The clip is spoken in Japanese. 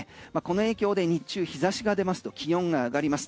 この影響で日中日差しが出ますと気温が上がります。